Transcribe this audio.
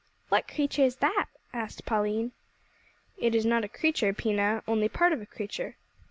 "What creature is that?" asked Pauline. "It is not a creature, Pina, only part of a creature."